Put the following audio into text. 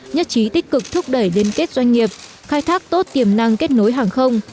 nhất trí tích cực thúc đẩy liên kết doanh nghiệp khai thác tốt tiềm năng kết nối hàng không